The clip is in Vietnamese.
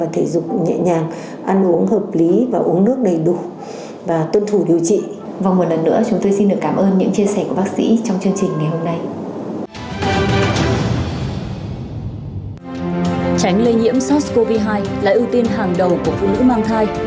tránh lây nhiễm sars cov hai là ưu tiên hàng đầu của phụ nữ mang thai